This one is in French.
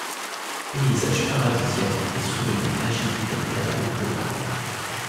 Paysages paradisiaques et souvenirs magiques étaient alors au programme.